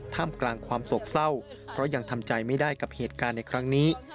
ท่ามกลางความโศกเศร้าเพราะยังทำใจไม่ได้กับเหตุการณ์ในครั้งนี้